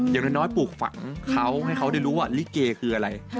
อย่างน้อยปลูกฝังเขาให้เขาได้รู้ว่าลิเกคืออะไร